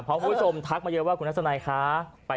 เพราะคุณผู้ชมทักมาเยอะว่าคุณทัศนัยคะ